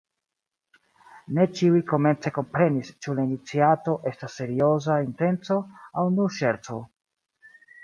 Ne ĉiuj komence komprenis, ĉu la iniciato estas serioza intenco aŭ nur ŝerco.